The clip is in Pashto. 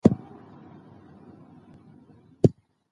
سکرین د کوټې دیوالونه د یوې شېبې لپاره روښانه کړل.